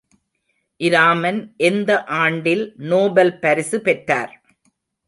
இராமன் எந்த ஆண்டில் நோபல் பரிசு பெற்றார்?